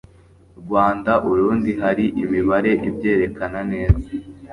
rwanda urundi hari imibare ibyerekana neza